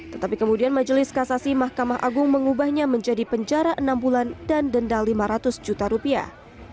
tetapi kemudian majelis kasasi mahkamah agung mengubahnya menjadi penjara enam bulan dan denda lima ratus juta rupiah